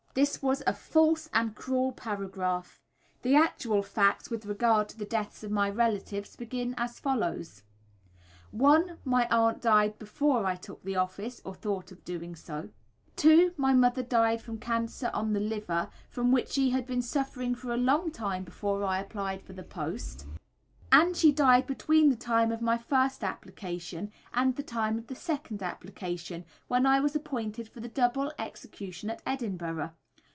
This was a false and cruel paragraph, the actual facts with regard to the deaths of my relatives being as follows: 1. My aunts died before I took the office, or thought of doing so. 2. My mother died from cancer on the liver, from which she had been suffering for a long time before I applied for the post; and she died between the time of my first application and the time of second application, when I was appointed for the double execution at Edinburgh.